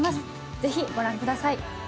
ぜひご覧ください。